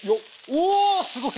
おおすごい！